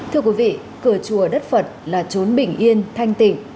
thưa quý vị cửa chùa đất phật là trốn bình yên thanh tịnh